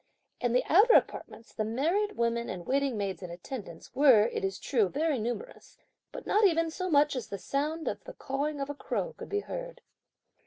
In the outer apartments, the married women and waiting maids in attendance, were, it is true, very numerous; but not even so much as the sound of the cawing of a crow could be heard.